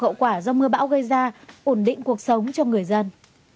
hậu quả do mưa bão gây ra ổn định cuộc sống cho người dân